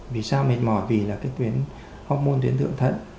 vì sao mệt mỏi vì là cái tuyến hốc môn tiến thượng thận